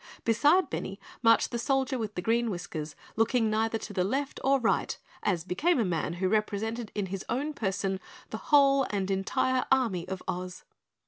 Beside Benny marched the Soldier with Green Whiskers, looking neither to the left or right, as became a man who represented in his own person the whole and entire army of Oz.